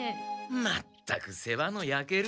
まったく世話のやける。